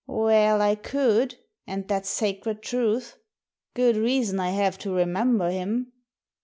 "Well, I could, and that's sacred truth. Good reason I have to remember him."